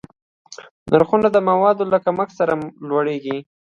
نرخونه د موادو له کمښت سره لوړېږي.